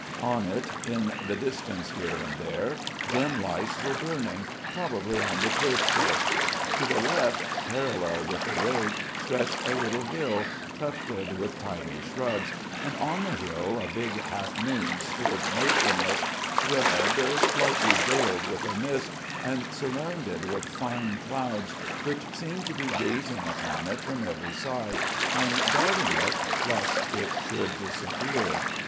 On it in the distance here and there dim lights were burning, probably on the turf pits. To the left, parallel with the road stretched a little hill, tufted with tiny shrubs, and on the hill a big half moon stood motionless, red, slightly veiled with a mist, and surrounded with fine clouds which seemed to be gazing upon it from every side, and guarding it, lest it should disappear.